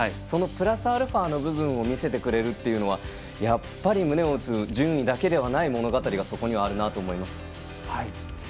そのプラスアルファの部分を見せてくれるのが胸を打つ順位だけではない物語がそこにはあるなと思います。